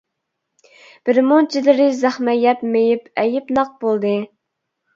بىر مۇنچىلىرى زەخمە يەپ مېيىپ، ئەيىبناق بولدى.